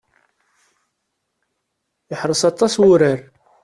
Iḥreṣ aṭas wurar.